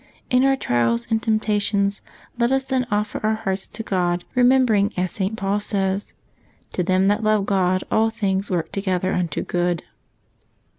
In our trials and temptations let us then offer our hearts to God, remembering, as St. Paul says, " To them that love God all things work together unto good."